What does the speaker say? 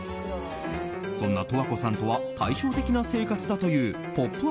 そんな十和子さんとは対照的な生活だという「ポップＵＰ！」